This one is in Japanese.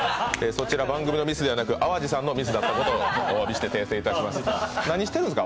そちら番組のミスではなく、淡路さんのミスだったことをおわびして訂正いたします。